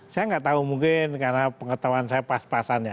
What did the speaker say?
saya nggak tahu mungkin karena pengetahuan saya pas pasannya